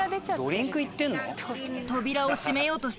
ドリンクいってんの？